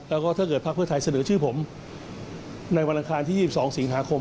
แล้วก็ถ้าเกิดภาคเพื่อไทยเสนอชื่อผมในวันอังคารที่๒๒สิงหาคม